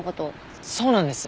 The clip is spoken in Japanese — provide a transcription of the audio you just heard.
そうなんです。